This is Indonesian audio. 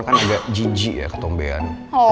kan agak jiji ya ketombean